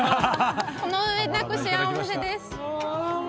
このうえなく幸せです。